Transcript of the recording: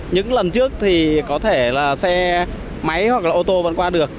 những lần trước thì có thể là xe máy hoặc là ô tô vẫn qua được